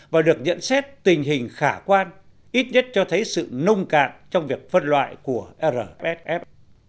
và được nhận xét tình hình khả quan ít nhất cho thấy sự nông cạn trong việc phân loại của rsf